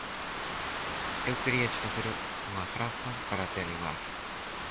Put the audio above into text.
Eu queríache facer unha graza para te animar